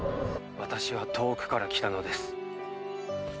私は遠くから来たのです。